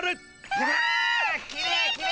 うわ！